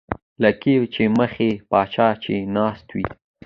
لکه پۍ مخی پاچا چې ناست وي